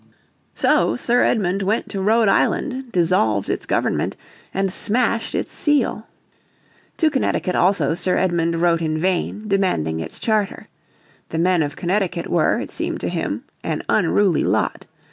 So Sir Edmund went to Rhode Island, dissolved its government and smashed its seal. To Connecticut also Sir Edmund wrote in vain, demanding its charter. The men of Connecticut were, it seemed to him, an unruly lot.